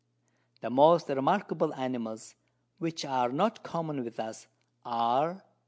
The most remarkable Animals, which are not common with us, are, 1.